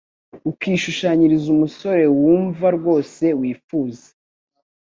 ukishushanyiriza umusore wumva rwose wifuza,